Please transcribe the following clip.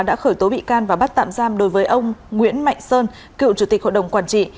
đã khởi tố bị can và bắt tạm giam đối với ông nguyễn mạnh sơn cựu chủ tịch hội đồng quản trị